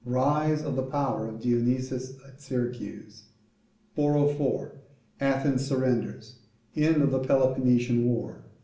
Rise of the power of Dionysius at Syracuse. 404. Athens surrenders. End of the Peloponnesian war.